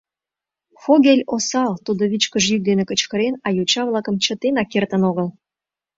Фогель осал, тудо вичкыж йӱк дене кычкырен, а йоча-влакым чытенак кертын огыл.